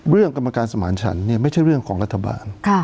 กรรมการสมานฉันเนี่ยไม่ใช่เรื่องของรัฐบาล